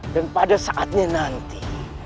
dan pada saatnya nanti